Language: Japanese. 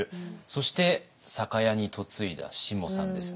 そして酒屋に嫁いだしもさんです。